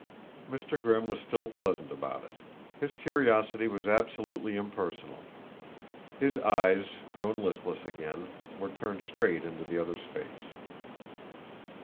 Mr. Grimm was still pleasant about it; his curiosity was absolutely impersonal; his eyes, grown listless again, were turned straight into the other's face.